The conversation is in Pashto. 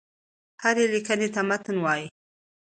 هري ليکني ته متن وايي.